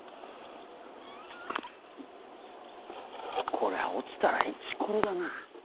こりゃ落ちたらイチコロだな。